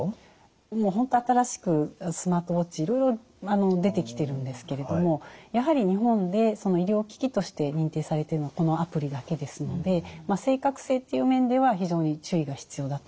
もう本当新しくスマートウォッチいろいろ出てきてるんですけれどもやはり日本で医療機器として認定されてるのはこのアプリだけですので正確性という面では非常に注意が必要だと思います。